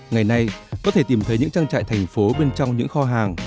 ngày nay có thể tìm thấy những trang trại thành phố bên trong những kho hàng